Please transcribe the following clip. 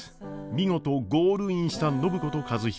見事ゴールインした暢子と和彦。